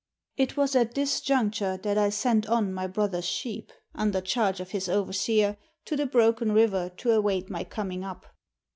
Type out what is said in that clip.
It was at this juncture that I sent on my brother's sheep, under charge of his overseer, to the Broken River to await my coming up.